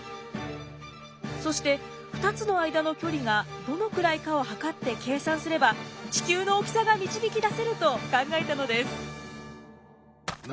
そして２つの間の距離がどのくらいかを測って計算すれば地球の大きさが導き出せると考えたのです。